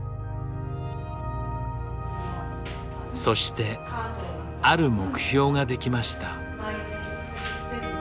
そしてある目標ができました。